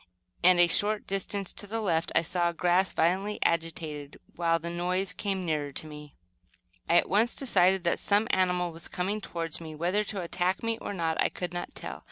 and, a short distance to the left I saw the grass violently agitated, while the noise came nearer to me. I at once decided that some animal was coming toward me, whether to attack me or not, I could not tell.